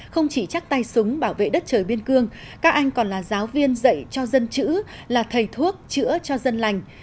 không chỉ chắc tay súng bảo vệ đất trời biên cương các anh còn là giáo viên dạy cho dân chữ là thầy thuốc chữa cho dân lành